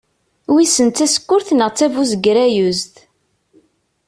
Wissen d tasekkurt neɣ d tabuzegrayezt?